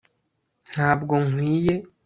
ntabwo nkwiye